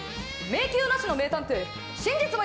迷宮なしの名探偵。